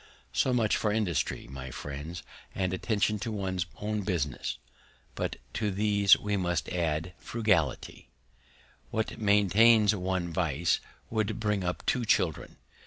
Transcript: So much for Industry, my Friends, and Attention to one's own Business; but to these we must add Frugality. What maintains one Vice, would bring up two Children.